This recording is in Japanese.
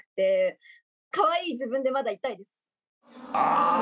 ああ